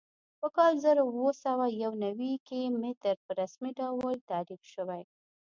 په کال زر اووه سوه یو نوي کې متر په رسمي ډول تعریف شوی.